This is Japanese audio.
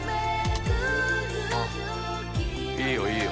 いいよいいよ。